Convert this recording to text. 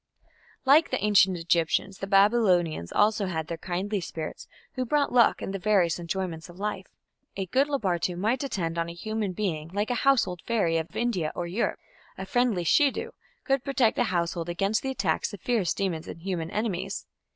Like the Ancient Egyptians, the Babylonians also had their kindly spirits who brought luck and the various enjoyments of life. A good "labartu" might attend on a human being like a household fairy of India or Europe: a friendly "shedu" could protect a household against the attacks of fierce demons and human enemies.